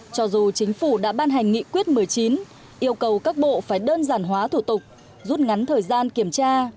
cho dù chính phủ đã ban hành nghị quyết một mươi chín yêu cầu các bộ phải đơn giản hóa thủ tục rút ngắn thời gian kiểm tra